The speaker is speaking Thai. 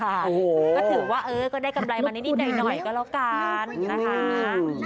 ก็ถือว่าเออก็ได้กำไรมานิดหน่อยก็แล้วกันนะคะ